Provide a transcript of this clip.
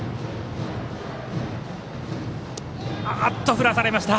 振らされました。